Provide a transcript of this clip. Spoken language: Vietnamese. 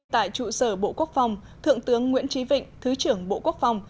tại trụ sở bộ quốc phòng thượng tướng nguyễn trí vịnh thứ trưởng bộ quốc phòng